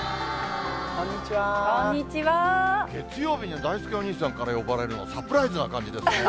月曜日に、だいすけお兄さんから呼ばれるのは、サプライズな感じですね。